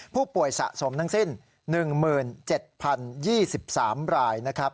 ผู้ป่วยสะสมทั้งสิ้น๑๗๐๒๓รายนะครับ